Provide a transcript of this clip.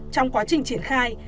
trong quá trình triển khai